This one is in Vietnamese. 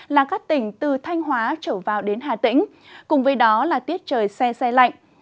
là các tỉnh từ thanh hóa trở vào đến hà tĩnh cùng với đó là tiết trời xe xe lạnh